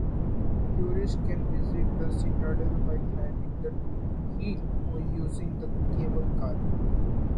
Tourists can visit the Citadel by climbing the hill or using the cable car.